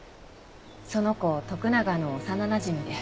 その子徳永の幼なじみで。